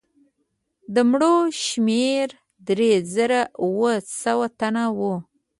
د مړو شمېر درې زره اووه سوه تنه وو.